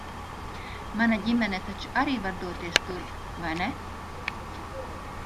Mana ģimene taču arī var doties turp, vai ne?